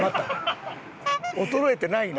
衰えてないな。